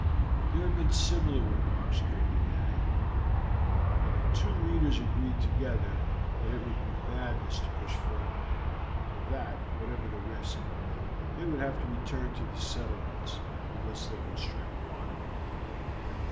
There had been similar remarks during the day, and the two leaders agreed together that it would be madness to push further, and that, whatever the risk, they would have to return to the settlements unless they could strike water.